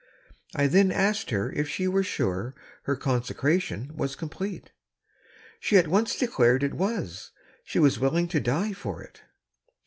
I then asked her if she were sure her consecration was complete. She at once declared it was ; she was willing to die for it.